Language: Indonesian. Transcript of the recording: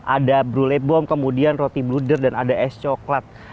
ada brule bom kemudian roti bluder dan ada es coklat